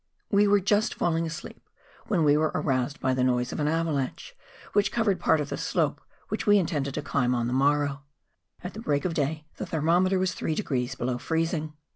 nitude. We were just falling asleep when we were aroused by the noise of an avalanche which covered part of the slope which we intended to climb on the morrow. At break of day the thermometer was three degrees below freezing.